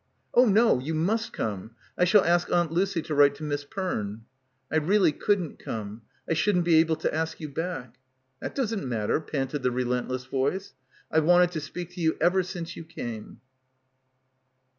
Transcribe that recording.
"Oh no. You must come. I shall ask Aunt Lucy to write to Miss Perne." "I really couldn't come. I shouldn't be able to ask you back." "That doesn't matter," panted the relentless voice. "I've wanted to speak to you ever since you came."